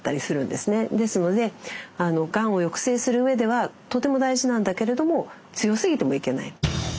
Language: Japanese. ですのでがんを抑制するうえではとても大事なんだけれども強すぎてもいけない。